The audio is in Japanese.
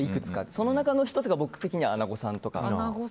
その中の１つが僕的にはアナゴさんとか。